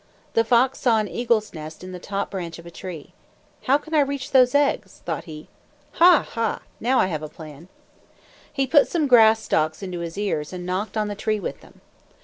The fox saw an eagle's nest in the top branch of a tree. "How can I reach those eggs?" thought he. "Ha, ha! Now I have a plan." He put some grass stalks into his ears and knocked on the tree with them.